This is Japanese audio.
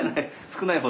少ない方。